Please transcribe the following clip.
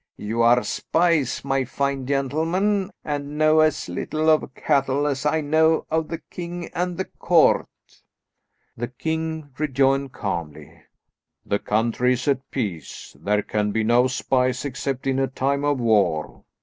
You are spies, my fine gentlemen, and know as little of cattle as I know of the king and the court." The king rejoined calmly, "The country is at peace. There can be no spies except in a time of war."